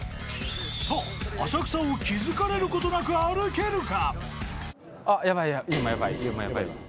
［さあ浅草を気付かれることなく歩けるか？］